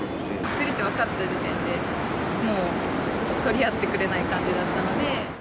薬って分かった時点で、もう取り合ってくれない感じだったので。